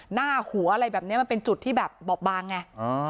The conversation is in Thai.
หน้าหัวอะไรแบบนี้มันเป็นจุดที่แบบบอบบางไง